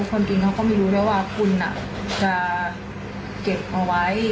คนจริงเขาก็ไม่รู้แล้วว่าคุณจะเก็บเอาไว้